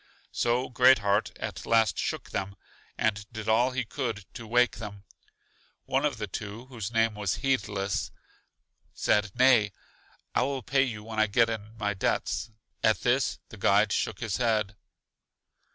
So Great heart at last shook them, and did all he could to wake them. One of the two, whose name was Heedless, said, Nay: I will pay you when I get in my debts. At this the guide shook his head.